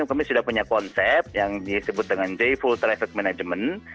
kami sudah punya konsep yang disebut dengan day full traffic management